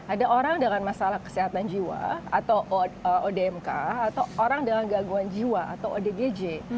ada orang dengan masalah kesehatan jiwa atau odmk atau orang dengan gangguan jiwa atau odgj